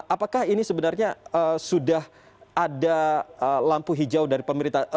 apakah ini sebenarnya sudah ada lampu hijau dari pemerintah